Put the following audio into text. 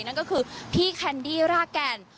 นั่นก็คือพี่แคนดี้รากแก่น